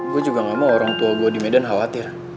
gue juga gak mau orang tua gue di medan khawatir